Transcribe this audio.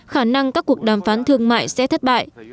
khả năng các cuộc đàm phán thương mại sẽ thất bại